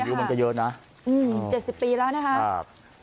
การอยู่มันเยอะนะอืมเจ็ดสิบปีแล้วนะคะอ่า